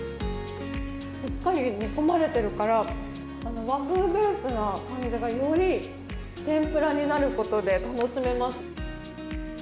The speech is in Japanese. しっかり煮込まれているから和風ベースな感じがより天ぷらになることで楽しめます。